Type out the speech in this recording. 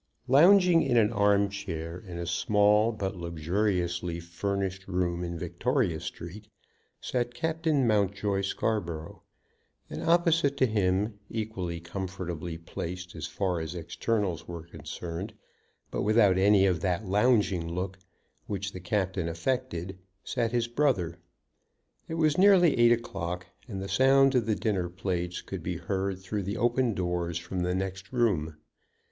Lounging in an arm chair in a small but luxuriously furnished room in Victoria Street sat Captain Mountjoy Scarborough, and opposite to him, equally comfortably placed, as far as externals were concerned, but without any of that lounging look which the captain affected, sat his brother. It was nearly eight o'clock, and the sound of the dinner plates could be heard through the open doors from the next room.